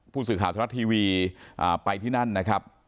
ผู้สื่อข่าวทรัฐทีวีไปที่นั่นนะครับ